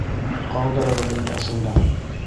Ҡалдырығыҙ мине ошонда!